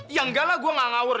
ya enggak lah gue gak ngawur